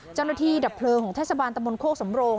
เจ้าหน้าที่ดับเพลิงของทรัศบาลตมโคกสำโรง